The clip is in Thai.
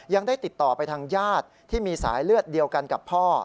ยังได้ติดต่อไปทางญาติที่มีสายเลือดเดียวกันกับพ่อ